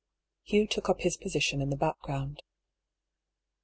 Hugh took up his position in the background.